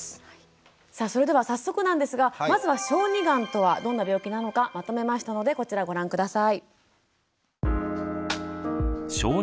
さあそれでは早速なんですがまずは小児がんとはどんな病気なのかまとめましたのでこちらご覧下さい。